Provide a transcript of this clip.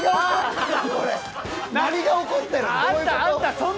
何が起こってるん？